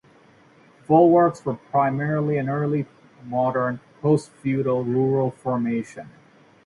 Folwarks were primarily an early modern, post-feudal rural formation.